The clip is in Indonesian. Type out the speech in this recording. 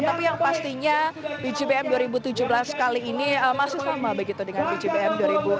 tapi yang pastinya bgbm dua ribu tujuh belas kali ini masih sama begitu dengan bgbm dua ribu delapan belas